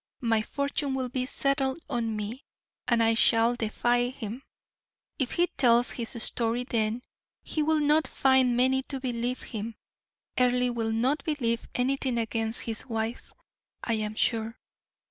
My fortune will be settled on me, and I shall defy him; if he tells his story then, he will not find many to believe him; Earle will not believe anything against his wife, I am sure.